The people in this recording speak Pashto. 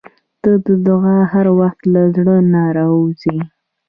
• ته د دعا هر وخت له زړه نه راووځې.